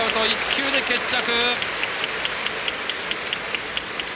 １球で決着！